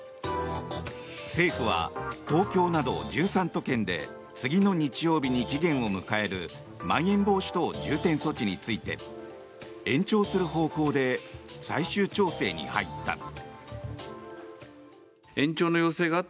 政府は東京など１３都県で次の日曜日に期限を迎えるまん延防止等重点措置について延長する方向で最終調整に入った。